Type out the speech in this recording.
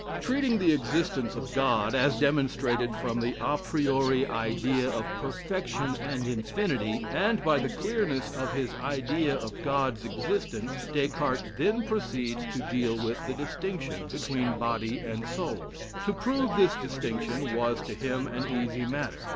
Treating the existence of God as demonstrated from the a priori idea of perfection and infinity, and by the clearness of his idea of God's existence, Des Cartes then proceeds to deal with the distinction between body and soul. To prove this distinction was to him an easy matter.